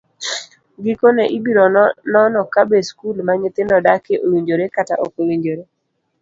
Gikone, ibiro nono kabe skul ma nyithindo dakie owinjore kata ok owinjore.